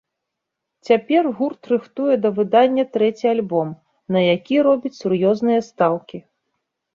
Цяпер гурт рыхтуе да выдання трэці альбом, на які робіць сур'ёзныя стаўкі.